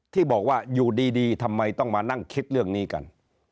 ที่บอกว่าอยู่ดีทำไมต้องมานั่งคิดเรื่องนี้กัน